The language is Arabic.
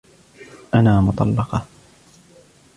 أنا مطلقة.